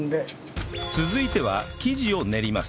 続いては生地を練ります